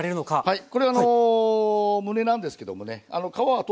はい。